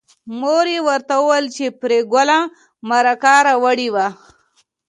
مور یې ورته وویل چې پري ګله مرکه راوړې وه